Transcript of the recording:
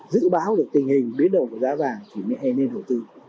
dự báo được tình hình biến đổi của giá vàng thì mới nên đầu tư